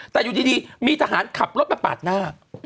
แต่อยู่ดีมีทหารขับรถมาปาดหน้า